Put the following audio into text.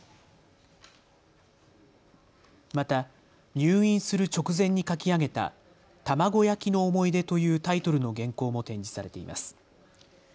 また入院する直前に書き上げた卵焼きの想い出というタイトルの原稿も展示されています。